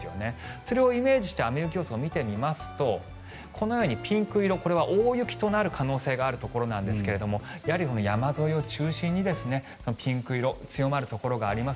それをイメージして雨雪予想を見てみますとこのようにピンク色これは大雪となる可能性があるところなんですが山沿いを中心にピンク色強まるところがあります。